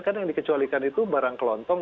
kan yang dikecualikan itu barang kelontong